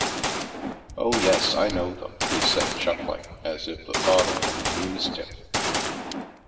" Oh, yes, I know them," he said, chuckling, as if the thought of them amused him.